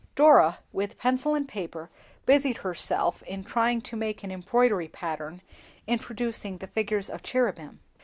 Dora, with pencil and paper, busied herself in trying to make an embroidery pattern, introducing the figures of cherubim.